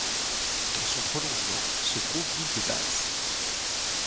Dans son prolongement se trouve l'Île de Batz.